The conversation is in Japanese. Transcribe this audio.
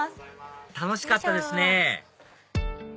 楽しかったですね